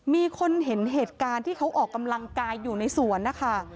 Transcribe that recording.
มีคนเห็นเหตุการณ์ที่เขาออกกำลังกายอยู่ในสวนนะคะ